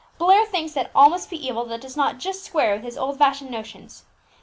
Blair thinks that all must be evil that does not just square with his old fashioned notions.